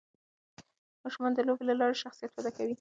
ماشومان د لوبو له لارې شخصیت وده کوي.